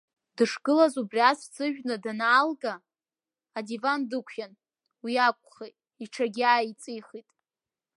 Дышгылаз убри ацәца ыжәны данаалга, адиван днықәиан, уи акәхеит, иҽагьааиҵихит…